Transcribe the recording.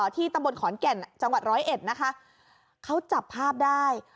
ที่ตำบลขอนแก่นจังหวัดร้อยเอ็ดนะคะเขาจับภาพได้